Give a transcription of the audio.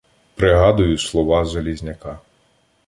Пригадую слова Залізняка.